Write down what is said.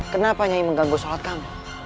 kenapa nyanyi mengganggu sholat kamu